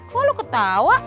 kok lo ketawa